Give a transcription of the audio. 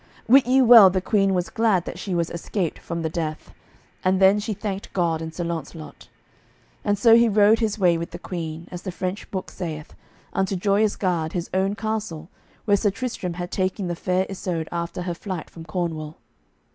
Wit ye well the Queen was glad that she was escaped from the death, and then she thanked God and Sir Launcelot. And so he rode his way with the Queen, as the French book saith, unto Joyous Gard, his own castle, where Sir Tristram had taken the Fair Isoud after her flight from Cornwall.